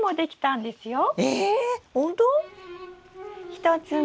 １つ目。